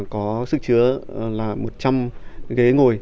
có sức chứa là một trăm linh ghế ngồi